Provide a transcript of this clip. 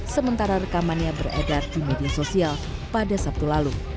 sementara rekamannya beredar di media sosial pada sabtu lalu